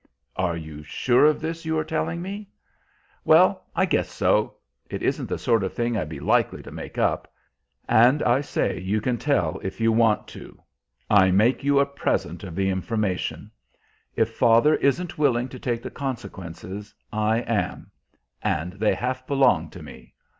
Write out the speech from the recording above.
"Are you sure of this you are telling me?" "Well, I guess so. It isn't the sort of thing I'd be likely to make up. And I say you can tell if you want to. I make you a present of the information. If father isn't willing to take the consequences, I am; and they half belong to me.